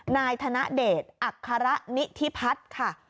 นายธนเดชอัคระนิธิพัฒน์ค่ะ